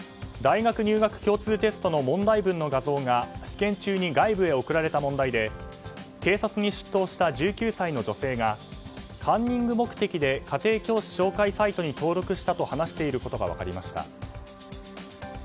大学入学共通テストの問題文の画像が試験中に外部へ送られた問題で警察に出頭した１９歳の女性がカンニング目的で家庭教師紹介サイトに登録したと話していることが分かりました。